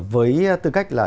với tư cách là